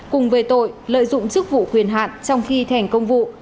cùng về tội lợi dụng chức vụ quyền hạn trong khi thi hành công vụ